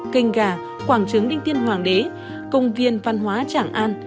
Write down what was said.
kênh gà quảng trường đinh tiên hoàng đế công viên văn hóa tràng an